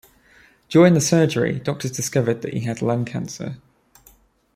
During the surgery, doctors discovered that he had lung cancer.